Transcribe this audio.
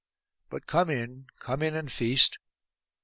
But come in, come in, and feast.